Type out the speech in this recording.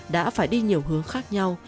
đã phải đi nhiều hướng khác nhau